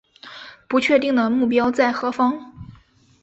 不确定的目标在何方